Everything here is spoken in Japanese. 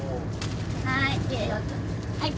はい。